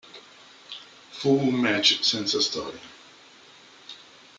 Fu un match senza storia.